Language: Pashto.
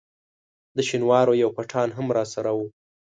د شینوارو یو پټان هم راسره وو.